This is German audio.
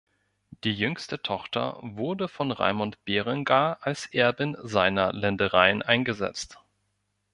Die jüngste Tochter wurde von Raimund Berengar als Erbin seiner Ländereien eingesetzt.